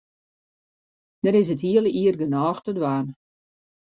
Der is it hiele jier genôch te dwaan.